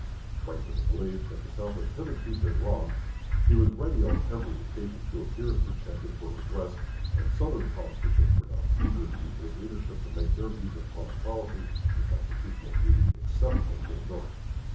Trained in the belief that the South had hitherto been wronged, he was ready on every occasion to appear as her champion for redress; and Southern politicians were now eager to use his leadership to make their views of public policy and constitutional duty acceptable to the North.